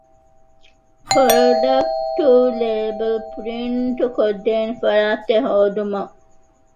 ޕްރޮޑަކްޓް ލޭބަލް ޕްރިންޓްކޮށްދޭނެ ފަރާތެއް ހޯދުން